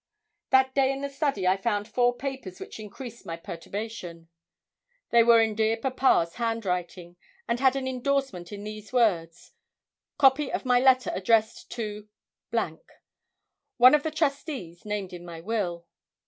That day in the study I found four papers which increased my perturbation. They were in dear papa's handwriting, and had an indorsement in these words 'Copy of my letter addressed to , one of the trustees named in my will.'